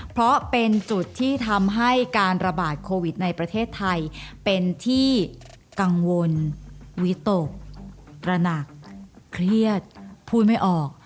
เพราะเป็นจุดที่ทำให้การระบาดโควิดในประเทศไทยเป็นที่กังวลวิตกระหนักเครียดพูดไม่ออก